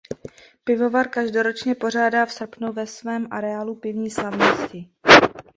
Pivovar každoročně pořádá v srpnu ve svém areálu „pivní slavnosti“.